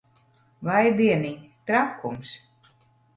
Vai dieniņ! Trakums.